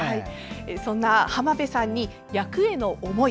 そんな浜辺さんに役への思い